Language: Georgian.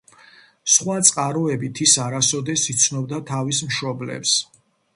სხვა წყაროებით ის არასოდეს იცნობდა თავის მშობლებს.